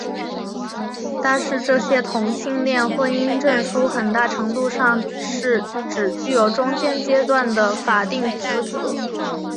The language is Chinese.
但是这些同性恋婚姻证书很大程度上是只具有中间阶段的法定资格。